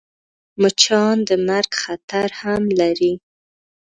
مچان د مرګ خطر هم لري